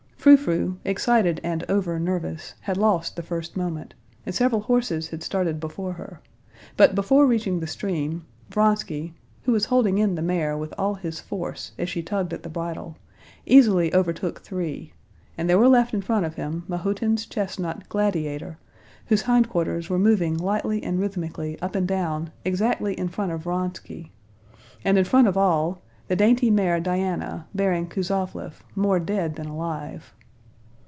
Frou Frou, excited and over nervous, had lost the first moment, and several horses had started before her, but before reaching the stream, Vronsky, who was holding in the mare with all his force as she tugged at the bridle, easily overtook three, and there were left in front of him Mahotin's chestnut Gladiator, whose hind quarters were moving lightly and rhythmically up and down exactly in front of Vronsky, and in front of all, the dainty mare Diana bearing Kuzovlev more dead than alive.